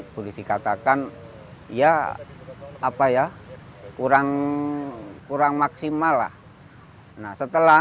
boleh dikatakan kurang maksimal